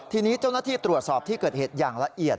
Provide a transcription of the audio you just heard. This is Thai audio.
ทีนี้เจ้าหน้าที่ตรวจสอบที่เกิดเหตุอย่างละเอียด